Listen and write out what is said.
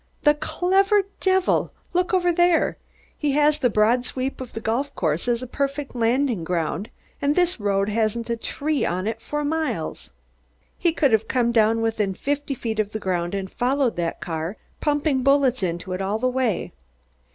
"The clever devil! Look over there! He had the broad sweep of the golf course as a perfect landing ground and this road hasn't a tree on it for a mile. He could have come down within fifty feet of the ground and followed that car, pumping bullets into it all the way.